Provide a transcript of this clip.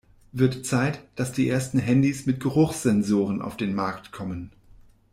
Wird Zeit, dass die ersten Handys mit Geruchssensoren auf den Markt kommen!